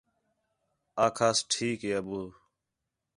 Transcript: آکھاس ٹھیک ہے ابّو